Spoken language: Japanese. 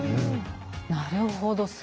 なるほど。